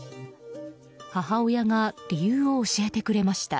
母親が、理由を教えてくれました。